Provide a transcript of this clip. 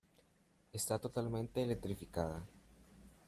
Está totalmente electrificada.